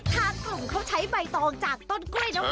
ทางกลุ่มเขาใช้ใบตองจากต้นกล้วยน้ำว